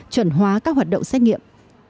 chuẩn hóa các hoạt động xét nghiệm